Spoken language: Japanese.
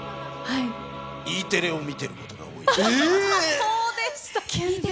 Ｅテレを見てることが多い。